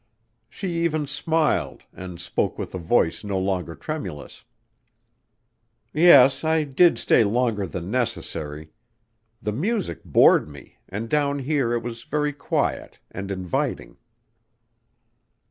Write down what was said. She even smiled and spoke with a voice no longer tremulous. "Yes, I did stay longer than necessary. The music bored me and down here it was very quiet and inviting."